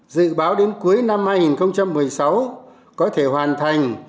dự báo đến cuối năm hai nghìn một mươi sáu có thể hoàn thành